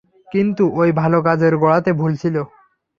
কিন্তু ঐ ভালো কাজের গোড়াতে ভুল ছিল।